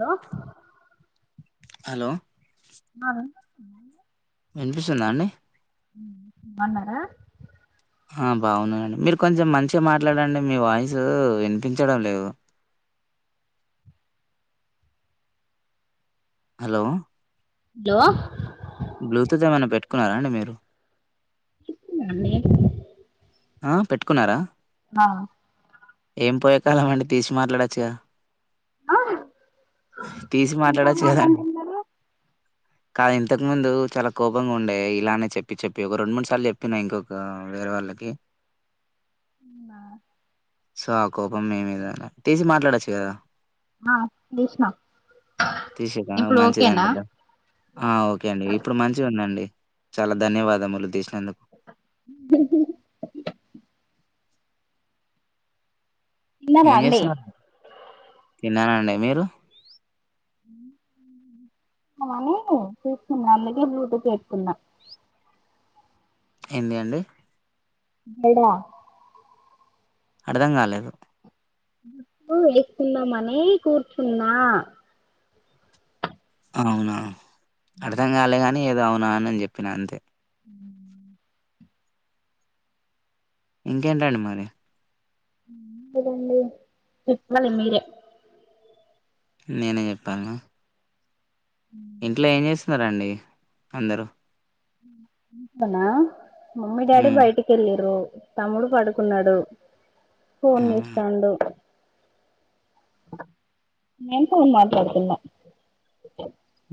Hello hello వినిపిసుందా అండి బోనరా ఆ బాగున్ననండి మీరు కొంచెం మంచిగా మాట్లాడండి మీ వాయిస్ వినిపించడం లేదు హలో హలో బ్లూతూత్ ఏమన్నా పెట్టుకున్నారా అండి మీరు పెట్టుకున్న అండి ఆ పెట్టుకున్నారా ఆ ఏం పోయే కలమండి తీసి మాట్లాడొచ్చుగా తీసి ఇంకా మాట్లాడాచ్చు కదండి మాట్లాడుతున్నారు కాదు ఇంతకు ముందు చాలా కోపంగా ఉండేయి ఇలానే చెప్పి చెప్పి ఒక రెండు మూడు సార్లు చెప్పిన ఇంకొక వేరే వాళ్ళకి అవునా సో ఆ కోపం మీ మిద తీసి మాట్లాడొచ్చు కదా అ తీసిన తీసాక ఇప్పుడు ఓకేనా మంచిదండి ద- ఆ ఓకే అండి ఇప్పుడు మంచి ఉందండి చాలా ధన్యవాదములు తీసి [unintelligible] తిన్నారా ఏం అండి చేస్తున్నారు తిన్నానండి మీరు అని చూస్తూ ఉన్నా అందుకే బ్లూటూత్ పెట్టుకున్నా ఏంది అండి గడా అర్థం కాలేదు జుట్టు ఓలికున్నామనీ కూర్చున్నా అవునా అర్ధం కాలే గాని ఏదో అవునా అని చెప్పిన అంతే ఇంకేంటండి మరి కదండీ చెప్పాలి మీరే నేనే చెప్పాలా ఇంట్లో ఏం చేస్తున్నారా అండి అందరూ ఇంట్లోనా మమ్మీ డాడి హ్మ్ బయటికి వెళ్లిరు తమ్ముడు పడుకున్నాడు ఫోన్ అవునా చూస్తాండు నేను ఫోన్ మాట్లాతున్నా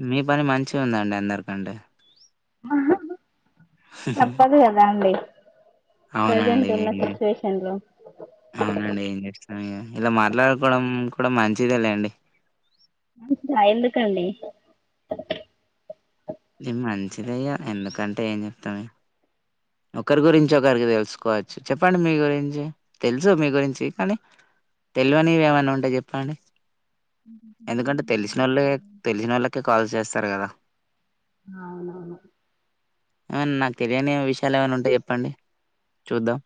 మీ పని మంచి ఉందండి అందరికంటే తప్పదు కదా అండి ప్రజెంట్ అవునండి ఉన్న సిచ్యువేషన్ లో అవునండి ఏం చేస్తాం ఇలా మాట్లాడుకోవడం కూడా మంచిదే లేండి ఆ ఎందుకండి ఇది మంచిదయ్యా ఎందుకంటే ఏం చెప్తాం ఇగ ఒకరి గురించి ఒకరికి తెలుసుకోవచ్చు చెప్పండి మీ గురించి తెలుసు మీ గురించి కానీ తెలువనివిఏమన్నా ఉంటే చెప్పండి ఎందుకంటే తెలిసినొలే తెలియనోళ్ళకి కాల్ చేస్తారు కదా అవునవును ఆ నాకు తెలియని విషయాలు ఏమన్నా అంటే చెప్పండి చూద్దాం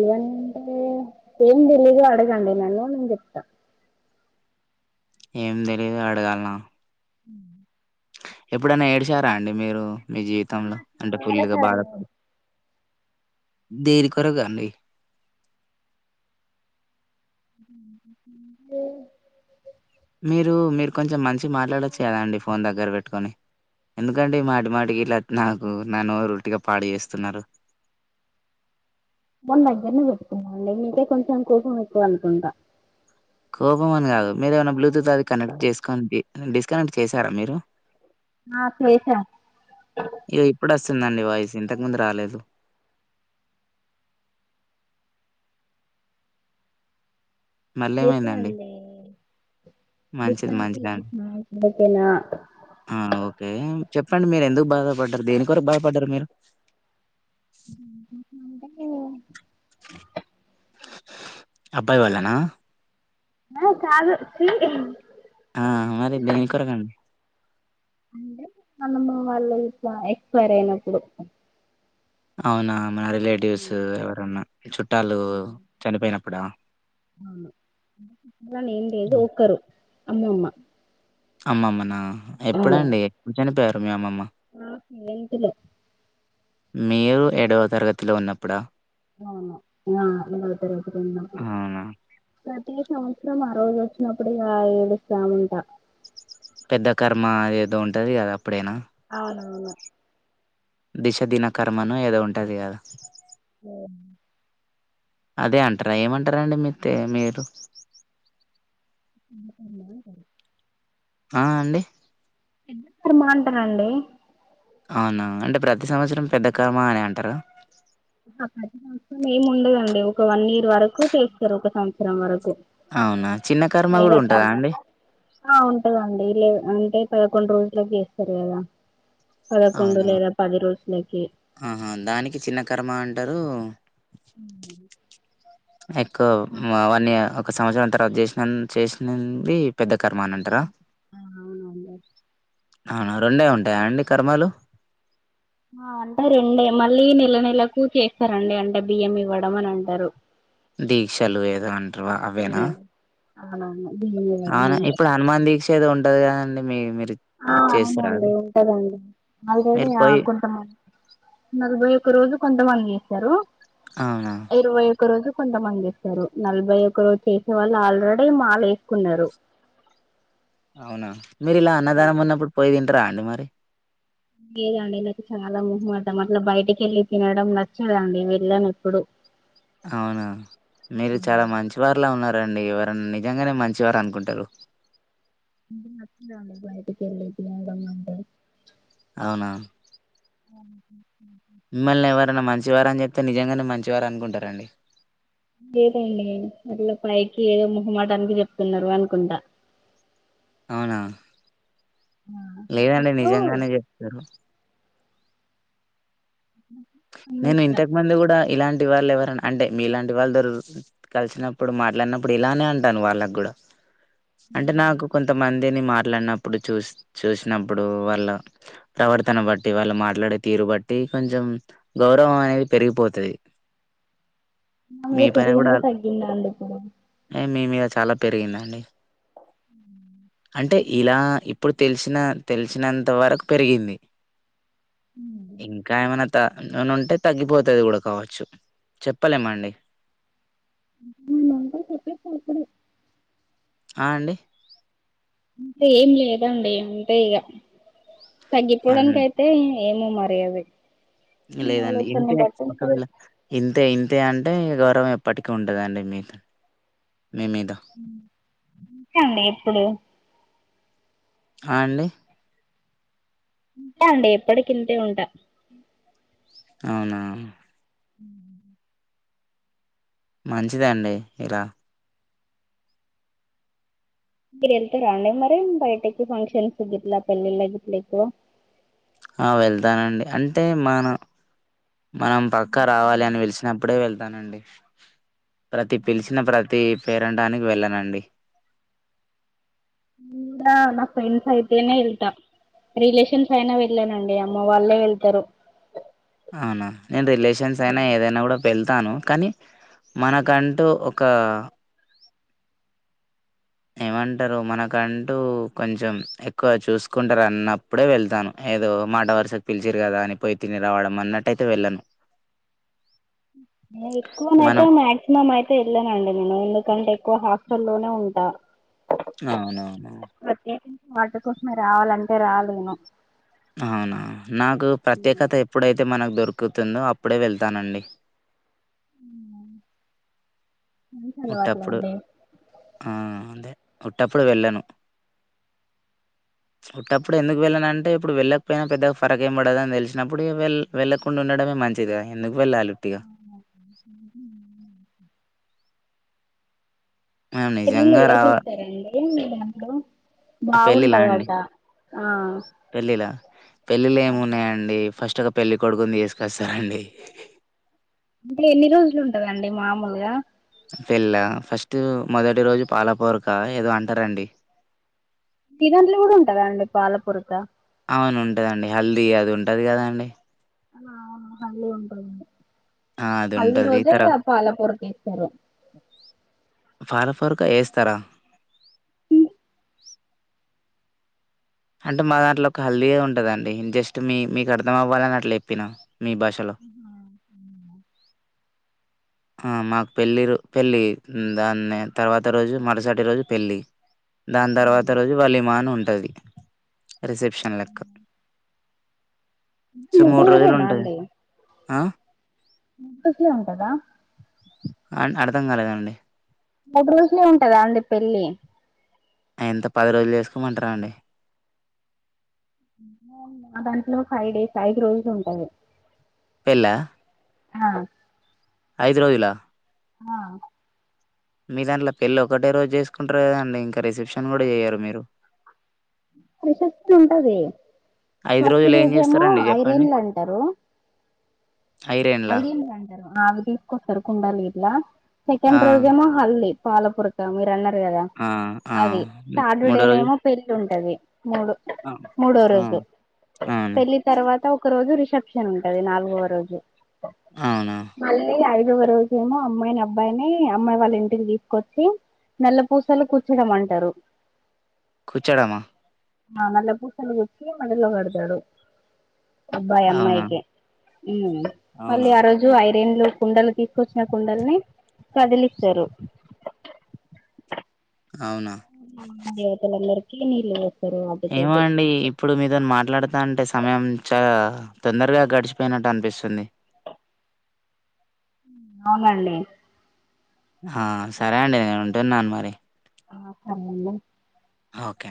ఏవంటే ఏం తెలిదు అడగాండి నన్ను నేనుచెప్తా ఏం తెలీదు అడగాలనా ఎప్పుడైనా ఏడ్చారా అండి మీరు మీ జీవితంలో అంటే చాలా ఫుల్గా బాధప సార్లు దేనికొరకండి మీరు మీరు కొంచెం మంచిగా మాట్లాడొచ్చు కదా అండి ఫోన్ దగ్గర పెట్టుకొని ఎందుకండీ మాటి మాటికి ఇట్లా నాకు నా నోరు ఉట్టిగా పాడు చేస్తున్నారు ఫోనుదగ్గరనే పెట్టుకున్నా మీకే కొంచెం కోపం ఎక్కువ అనుకుంట కోపం అని కాదు మీర ఏమైనా బ్లూటూత్ అది కనెక్ట్ చేసుకొని డిస్కనెక్ట్ చేశారా మీరు ఆ చేసా ఇ ఇప్పుడు వస్తుందండి వాయిస్ ఇంత ఇంతకు ముందు రాలేదు మళ్ళీ లేస్తే ఏమైందండి అండీ మంచిది మంచిగా ఓకేనా ఆ ఓకే చెప్పండి మీరు ఎందుకు బాధపడ్డారు దేని కొరకు బాధపడ్డారు మీరు [unintelligible] అబ్బాయి వలన ఆహా కాదు చీ ఆ! మరి దేని కొరకండి? అమ్మమ్మ వాళ్ళు ఇట్లా ఎక్స్పైైర్ అయినప్పుడు అవునా మరిలేటివ్స్ ఎవరన్నా చుట్టాలు చనిపోయినప్పుడా అట్లని ఏం లేదు హ్మ్. ఒకరు అమ్మమ్మ అమ్మమ్మనా ఎప్పుడండి ఎప్పుడు చనిపోయారు మీ అమ్మమ్మ ఆ ఎయిత్ లో మీరు ఏడవ తరగతిలో ఉన్నప్పుడా అవును ఆ ఏడో తరగతిలో ఉన్నప్పుడు అవునా! రోజు వచ్చినప్పుడు ఇగ ఏడుస్తా ఉంటా పెద్ద కర్మ ఏదో ఉంటది కదా అవునవును దిశ దిన కర్మను ఏదో ఉంటది కదా ఓ అదే అంటారా ఏమంటారా అండి మీతే మీరు [unintelligible] ఆ అండి ఇద్దరు బా అంటారండి అవునా అంటే ప్రతి సంవత్సరం పెద్ద కర్మ అనే అంటార ప్రతి సంవత్సరం ఏం ఉండదండి ఒక వన్ ఇయర్ వరకు చేస్తారు ఒక సంవత్సరం వరకు అవునా! చిన్న కర్మ ఇగ గూడా ఉంటదా తర్వాత అండి? ఆ ఉంటదండి లే అంటే పదకొండు రోజులకు చేస్తారు కదా పదకొండు అవునా లేదా పది రోజులకి ఆహా దానికి చిన్న కర్మ అంటారు ఓహ ఎక్కువవన్నీ ఒక సంవత్సరం తర్వాత చేసిన చేసినంది పెద్ద కర్మా అని అంటార అంతేనా? ఆ అవునండి అవును రెండే ఉంటాయా అండి కర్మలు ఆ అంటే రేడే మళ్ళీ నెల నెలకు చేస్తారండి అంటే బియ్యం ఇవ్వడం అని అంటారు దీక్షలు ఏదో అంటారువ అవేనా ఉమ్ అవునవును బియ్యం ఇవ్వడం అవునా అన్నారు ఇప్పుడు హనుమాన్ దీక్ష ఎదో ఉంటది కదండి మీ మీరు ఆ చేస్తారా అవునండి అది ఉంటదండి ఆల్రెడీ మీరు పోయి ఆకుంటున్నాను నలభై ఒక రోజు కొంత మంది చేస్తారు అవునా ఇరవై ఒక రోజు కొంతమంది చేస్తారు నలభై ఒక రోజు చేసే వాళ్ళు ఆల్రెడీ మాల ఏసుకునారు అవునా మీరి ఇలా అన్నదానం ఉన్నప్పుడు పోయి తింటార అండి మరి లేదండి నాకు చాలా మహం మఠం అట్లా బయటికిెళ్ళి తినడం నచ్చదండి వెళ్ళాను ఎప్పుడు అవును మీరు చాలా మంచి వర్లా ఉన్నారు ఎవరండి ఎవర నిజంగానే మంచివారు అనుకుంటారు ఇ మంచిాల భయతే కేరళీకిడం కంట [unintelligible] అవునా అ మిమ్మల్ని మంచివారు అని చెప్తే నిజంగానే మంచివార అనుకుంటారండి లేదండి మళ్ీ పైకి ఏదో ముహమాటానికి చెప్తున్నారు అనుకుంటా అవునా ఆ, లేదండి అప్పుడప్పుడు నిజంగానే చెప్తారు నేను అమ్మేస్తా ఇంతకు మంది కూడా ఇలాంటి లాంటి వాళ్ళు ఎవర అంటే మీ ఇలాంటి వాళ్ళు కలిసినప్పుడు మాట్లాడినప్పుడు ఇలానే అంటాను వాళ్ళకు కూడా అంటే నాకు కొంతమంది దేని మాట్లాడినప్పుడు చూ చూసినప్పుడు వాళ్ళ ప్రవర్తన బట్టి వాళ్ళు మాట్లాడే తీరు బట్టి కొంచెం గౌరవం అనేది పెరిగిపోతుది నా మీద పెరిగిందా తగ్గిందా అండి ఇప్పుడు ఏ మీ మీద చాలా పెరిగిందండి అంటే ఇలా ఇప్పుడు తెలిసిన తెలిసినంత వరకు పెరిగింది ఇంకా ఏమన్నా త ఉంటే తగ్గిపోతుంది కూడా కావచ్చు చెప్పలేమ అండి [inaudible] ఆ అండి అంటే ఏం లేదండి అంతే ఇక అన్ తగ్గిపోవడానికి అయితే ఏమో మరి అది మీ లేదండి ఆలోచనని ఇంతే బట్టి ఉంటది ఒకవేళ ఇంతే ఇ అ అంటే గౌరవం ఎప్పటికి ఉంటదండి మీ మీద. ఇంతే అండి ఎప్పుడు అ అండి ఇంతే అండి ఎప్పటి కింతే ఉంటా అవునా ఉ మంచిదండి ఇలా మీరు వెళ్తారా అండి మరి బయటకి ఫంక్షన్లకి గిట్ల పెళ్ళిళ్ళకి గిట్ల ఎక్కువ ఆ వెళ్తానండి అంటే మన మనం పక్క నేను రావాలి అని పిలిసినప్పుడే వెళ్తానండి ప్రతి పిలిచిన ప్రతి పేరంటానికి వెళ్ళనండి ఇడా నా ఫ్రెండ్స్ అయితేనే ఎల్తా రిలేషన్స్ అయినా వెళ్ళానండి అమ్మ వాళ్ళే వెళ్తారు అవునా నేను రిలేషన్స్ అయినా ఏదైనా కూడా వెళ్తాను కానీ మనకంటూ ఒక ఏమంటారు మనకంటూ కొంచెం ఎక్కువ చూసుకుంటారు అన్నప్పుడే వెళ్తాను ఏదో మాట వరుసకు పిలిచరు కదా అని పోయి తిని రావడం అన్నటైతే వెళ్ళను ఎక్కువనైతే మనం మాక్సిమం అయితే వెళ్ళానండి నేను ఎందుకంటే ఎక్కువ హాస్టల్లో లో ఉంటా అవునవును ప్రత్యేకించి వాటి కోసమే రావాలంటే రాలేను అవునా నాకు ప్రత్యేకత ఎప్పుడైతే మనకు దొరుకుం ఎక్కుతుందో అప్పుడే వెళ్తానండి అ ఉటప్పుడు అదే ఉటప్పుడు వెళ్ళాను ఉత్తపుడు ఎందుకు వెళ్ళన అంటే ఇప్పుడు వెళ్ళకపోయినా పెద్దగా ఫరక ఏం పడదు అని తెలిసినప్పుడు వెళ్ వెళ్ళకుండా ఉండడం మే మంచిది మనం పెళ్ళిళ్ళ నిజంగా ఎలా రావ చేస్తారండి మీ దాంట్లో పెళ్ళిలా అండి? బాగుంటదట ఆ పెళ్ళిళ్ళ ఏమున్నాయండి ఫస్ట్ ఒక పెళ్ళి కొడుకుని తీసుకొస్తారండి అంటే ఎన్ని రోజులు ఉంటాదండి మామూలుగా పెళ్లా ఫస్ట్ మొదటి రోజు పాలపూరక ఏదో అంటారండి తినట్లు కూడా ఉంటదండి పాలపొరత అవును ఉంటుదండి హల్దీ అది ఉంటంది కదండి అ అళ ఉంటంది ఆ! అది హల్ది ఉంటది. రోజే తర ఇక పాలపుర తీస్తారు పాలపూరక వేస్తారా అంటే మా దాంట్లో ఒక హల్దీగా ఉంటదండి జస్ట్ మీ మీకు అర్థం అవ్వాలని అట్లా చెప్పినాం మీ భాషలో [unintelligible] ఆ మాకు పెళ్ళి పెళ్ళి దాన్ని తర్వాత రోజు మరుసటి రోజు పెళ్ళి దాని తర్వాత రోజు వలి మాన్ ఉంటది రిసెప్షన్ లెక్క [unintelligible] సో మూడు రోజులు రోజులేనా ఉంటాయి అండి ఆ మూడు రోజులే ఉంటదా అర్థం కాలేదు అండి మూడు రోజులు ఉంటదా అండి పెళ్లి ఎంత పది రోజులు చేసుకోమంటార అండి నా దాంట్లో ఫైవ్ డేస్ ఐదు రోజులు ఉంటాయి పెళ్ళ ఆ ఐదు రోజులా హా మీ దాంట్లో పెళ్లి ఒకటే రోజు చేసుకుంటారు కదండి ఇంకా రిసెప్షన్ కూడా చేయ్యరు మీరు రిసెప్షన్ ఉంటది ఐదు ఫస్ట్ రోజులు ఏం రోజేమో చేస్తరండి చెప్పండి. ఐరేన్లు అంటారు ఐరేన్లా ఐదం అంటారు సుకొస్తారు కుండాల ఇట్లా ఆ సెకండ్ రోజేమో హల్ది పాలపురక మీరు అన్నారు కదా ఆ ఆ అది హ్మ్. థర్డ్ డే మూడో రోజు పెళ్ళి ఉంటది మూడు ఆ మూడో ఆ! రోజు అవును పెళ్ళి తర్వాత ఒక రోజు రిసెప్షన్ రిసెప్షన్ ఉంటది నాలుగో రోజు ఆ అవునా ఒక రోజే ఏమో అమ్మాయిని అబ్బాయిని అమ్మాయి వాళ్ళ ఇంటికి తీసుకొచ్చి నల్ల పూసలు గుర్చడం అంటారు కుచడమా నల్లపూసలు గుర్చీ మెడలో పెడతావ్ అబ్బాయి అవునా అమ్మాయికి ఉమ్ అవునా మళ్ళీ ఆ రోజు ఐరేన్లో కుండలు తీసు కూచిన కుండల్ని కదిలిస్తారు అవునా లోపల అందరికీ నీళ్లు పో ఏమొ అండి ఇప్పుడు మీతోని మాట్లాడుతాంటే సమయం చాలా తొందరగా గడిచిపోయినట్టు అనిపిస్తుంది. అవునండి ఆ సరే అండి నేను ఉంటున్నాను మరి ఆ సరే అండి ఓకే